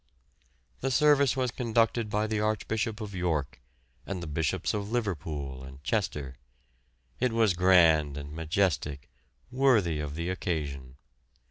The service was conducted by the Archbishop of York and the Bishops of Liverpool and Chester. It was grand and majestic, worthy of the occasion.